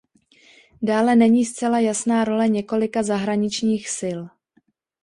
Dále není zcela jasná role několika zahraničních sil.